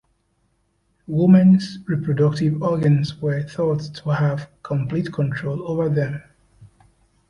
Woman's reproductive organs were thought to have complete control over them.